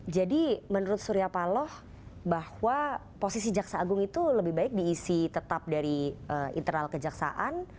jadi menurut surya paloh bahwa posisi jaksa agung itu lebih baik diisi tetap dari internal kejaksaan